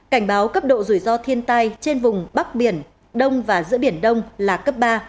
cảnh báo cấp độ rủi ro thiên tai trên vùng bắc biển đông và giữa biển đông là cấp ba